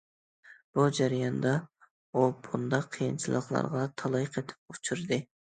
بۇ جەرياندا ئۇ بۇنداق قىيىنچىلىقلارغا تالاي قېتىم ئۇچرىدى.